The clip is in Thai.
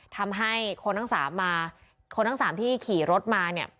ทำให้คนทั้งสามมาคนทั้งสามที่ขี่รถมาเนี่ย